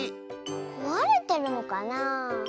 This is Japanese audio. こわれてるのかな？